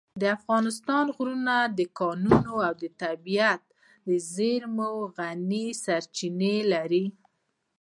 د افغانستان غرونه د کانونو او طبیعي زېرمو غني سرچینې لري.